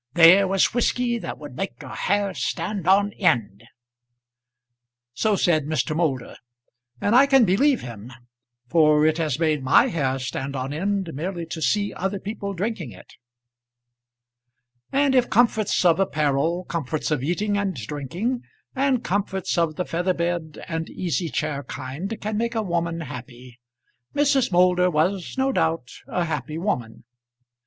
There was whisky that would make your hair stand on end." So said Mr. Moulder, and I can believe him; for it has made my hair stand on end merely to see other people drinking it. And if comforts of apparel, comforts of eating and drinking, and comforts of the feather bed and easy chair kind can make a woman happy, Mrs. Moulder was no doubt a happy woman.